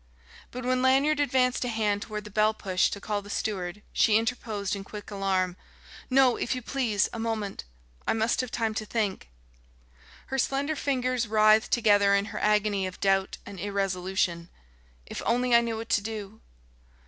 But when Lanyard advanced a hand toward the bell push, to call the steward, she interposed in quick alarm: "No if you please, a moment; I must have time to think!" Her slender fingers writhed together in her agony of doubt and irresolution. "If only I knew what to do...."